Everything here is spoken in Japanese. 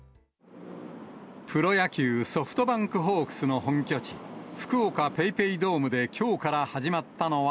プロ野球・ソフトバンクホークスの本拠地、福岡ＰａｙＰａｙドームで、きょうから始まったのは。